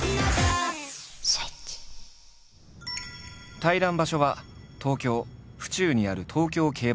対談場所は東京府中にある東京競馬場。